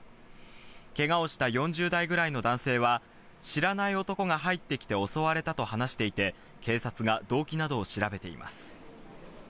けがをした４０代くらいの男性は、知らない男が入ってきて襲われたと話していて、警察が動機などを調べています。